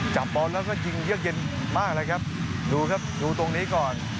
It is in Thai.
จับบอลแล้วก็ยิงเยือกเย็นมากเลยครับดูครับดูตรงนี้ก่อน